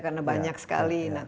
karena banyak sekali